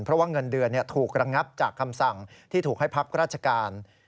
เพราะว่าเงินเดือนถูกระงับจากคำสั่งที่ถูกให้พักราชการ